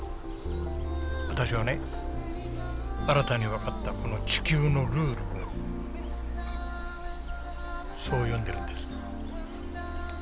私はね新たに分かったこの地球のルールをそう呼んでるんです。